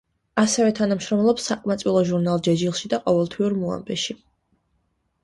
ასევე თანამშრომლობს საყმაწვილო ჟურნალ „ჯეჯილში“ და ყოველთვიურ „მოამბეში“.